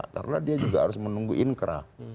karena dia juga harus menunggu inkrah